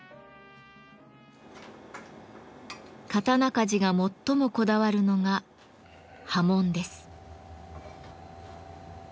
刀鍛冶が最もこだわるのが刃文です。